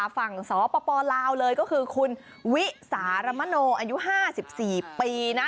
ฝั่งสปลาวเลยก็คือคุณวิสารมโนอายุ๕๔ปีนะ